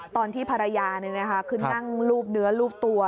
ตอนที่ภรรยานี่นะคะขึ้นนั่งรูปเหนือรูปตัว